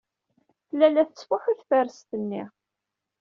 Tella la tettfuḥu tefrest-nni.